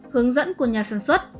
hướng dẫn của nhà sản xuất